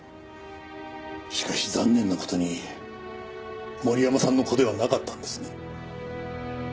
しかし残念な事に森山さんの子ではなかったんですね？